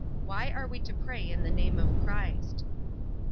Why are we to pray in the name of Christ?